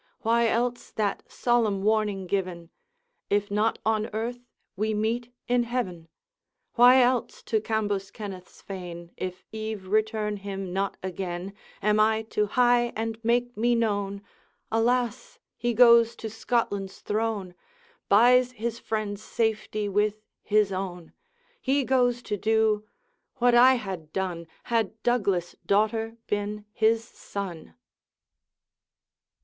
Why else that solemn warning given, 'If not on earth, we meet in heaven!' Why else, to Cambus kenneth's fane, If eve return him not again, Am I to hie and make me known? Alas! he goes to Scotland's throne, Buys his friends' safety with his own; He goes to do what I had done, Had Douglas' daughter been his son!'